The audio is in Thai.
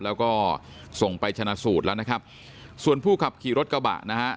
แล้วก็ส่งไปชนะสูตรแล้วนะครับส่วนผู้ขับขี่รถกระบะนะฮะ